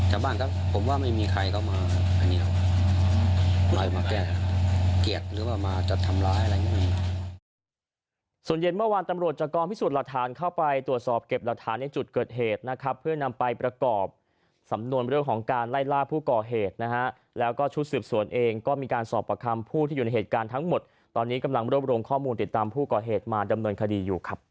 หรือว่ามาจัดทำร้ายอะไรอย่างนี้